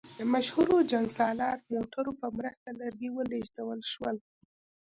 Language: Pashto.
د مشهور جنګسالار موټرو په مرسته لرګي ولېږدول شول.